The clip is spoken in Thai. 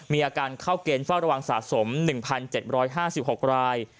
มีอาการเข้าเกณฑ์เฝ้าระวังสะสม๑๗๕๖ราย